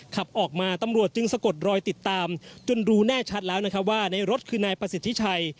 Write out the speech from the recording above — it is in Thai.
ขับออกมาตำรวจจึงสะกดรอยติดตามจนรู้แน่ชัดแล้วนะครับว่าในรถคือนายประสิทธิชัย